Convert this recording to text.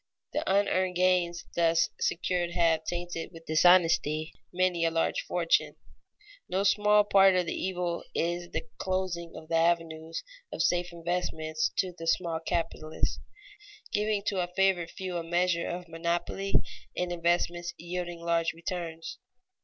The unearned gains thus secured have tainted with dishonesty many a large fortune. No small part of the evil is the closing of the avenues of safe investment to the small capitalists, giving to a favored few a measure of monopoly in investments yielding large returns.